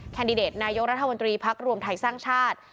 แดดิเดตนายกรัฐมนตรีพักรวมไทยสร้างชาติ